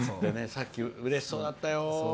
さっき、うれしそうだったよ。